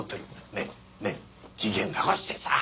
ねっねっ機嫌直してさ。